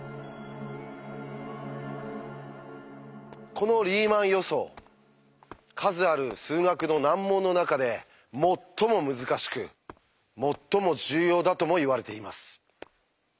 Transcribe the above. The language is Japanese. この「リーマン予想」数ある数学の難問の中で最も難しく最も重要だともいわれています。